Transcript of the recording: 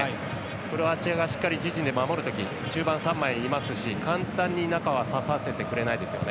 クロアチアがしっかり自陣で守るとき中盤３枚いますし簡単に中は刺させてくれないですよね。